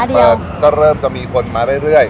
เปิดก็เริ่มจะมีคนมาเรื่อย